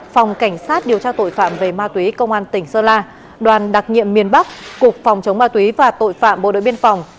phòng cảnh sát điều tra tội phạm về ma túy công an tỉnh sơn la đoàn đặc nhiệm miền bắc cục phòng chống ma túy và tội phạm bộ đội biên phòng